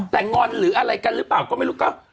แต่งอนหรืออะไรกันหรือเปล่าก็ไม่รู้ก็